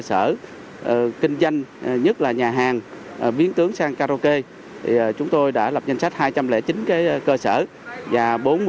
sở kinh doanh nhất là nhà hàng biến tướng sang karaoke chúng tôi đã lập danh sách hai trăm linh chín cơ sở và